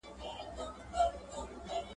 دا موضوع په ډېر تفصیل سره بیان سوه.